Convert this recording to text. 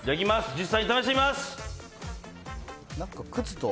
実際に試してみます。